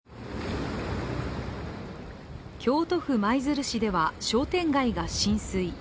京都府舞鶴市では商店街が浸水。